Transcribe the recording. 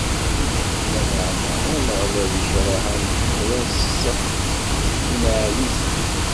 Lameɛna, Ameɣlal ikreh ameḥwaṣ, inɛel-it.